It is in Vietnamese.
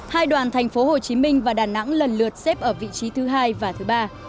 hai đoàn thành phố hồ chí minh và đà nẵng lần lượt xếp ở vị trí thứ hai và thứ ba